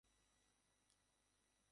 নামমাত্র তার কমনীয় শরীরে পোশাক ছিল।